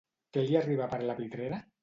Què li arriba per la pitrera?